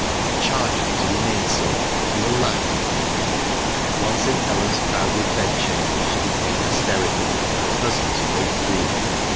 I charge you to remain so — for your life !" Once in Ellen's crowded bedchamber she became hysterical, to her cousin's great grief.